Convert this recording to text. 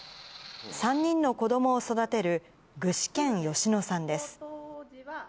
３人の子どもを育てる具志堅美乃さんです。